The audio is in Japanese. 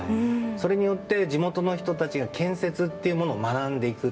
それによって地元の人たちが建設っていうものを学んでいく。